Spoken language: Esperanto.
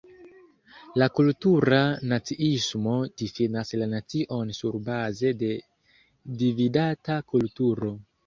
La "kultura naciismo" difinas la nacion surbaze de dividata kulturo.